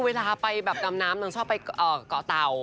เวลาไปแบบดำน้ำหนึ่งฉอบไปก่อเตา